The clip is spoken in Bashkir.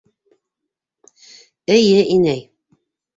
Эйе, инәй.